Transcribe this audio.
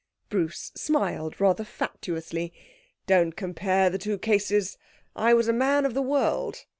Bruce smiled rather fatuously. 'Don't compare the two cases. I was a man of the world....